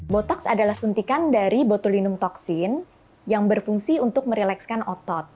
botox adalah suntikan dari botulinum toksin yang berfungsi untuk merelekskan otot